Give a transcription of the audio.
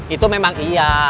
itu memang iya